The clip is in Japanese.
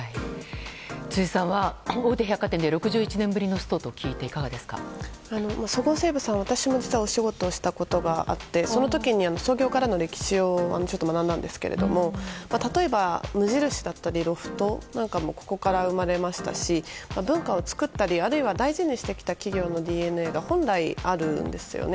辻さんは大手百貨店で６１年ぶりのストと聞いてそごう・西武さん、私も実はお仕事したことがあってその時に創業からの歴史をちょっと学んだんですが例えば無印だったりロフトなんかもここから生まれましたし文化を作ったりあるいは大事にしてきた企業のＤＮＡが本来、あるんですよね。